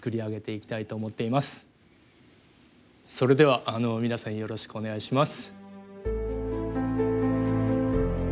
それでは皆さんよろしくお願いします。